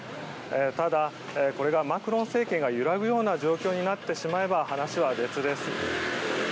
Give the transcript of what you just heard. ただ、これがマクロン政権が揺らぐような状態になってしまえば話は別です。